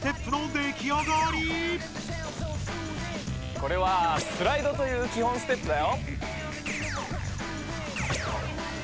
これはスライドという基本ステップだよ。